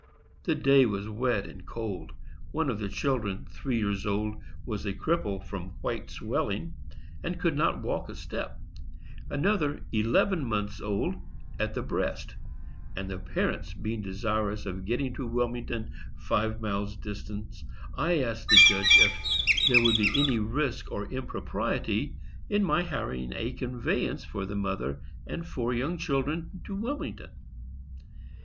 The day was wet and cold; one of the children, three years old, was a cripple from white swelling, and could not walk a step; another, eleven months old, at the breast; and the parents being desirous of getting to Wilmington, five miles distant, I asked the judge if there would be any risk or impropriety in my hiring a conveyance for the mother and four young children to Wilmington.